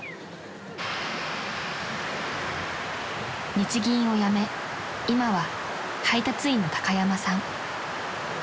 ［日銀を辞め今は配達員の高山さん］